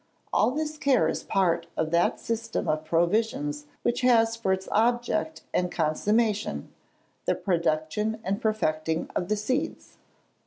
All this care is part of that system of provisions which has for its object and consummation, the production and perfecting of the seeds.